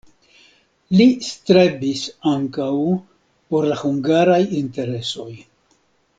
Li strebis ankaŭ por la hungaraj interesoj.